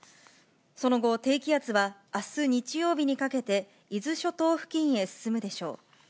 その後、低気圧はあす日曜日にかけて、伊豆諸島付近へ進むでしょう。